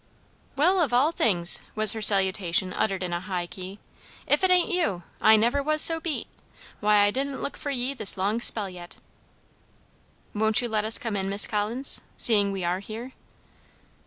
"Well, of all things!" was her salutation uttered in a high key. "If it ain't you! I never was so beat. Why, I didn't look for ye this long spell yet." "Won't you let us come in, Miss Collins, seeing we are here?"